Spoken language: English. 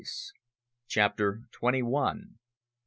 "How?" CHAPTER TWENTY ONE.